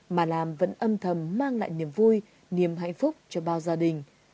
mà lam vẫn âm thầm mang lại niềm vui niềm hạnh phúc cho bao gia đình